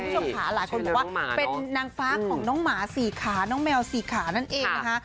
คุณผู้ชมขาหลายคนบอกว่าเป็นนางฟ้าของน้องหมาสี่ขาน้องแมวสี่ขานั่นเองนะคะ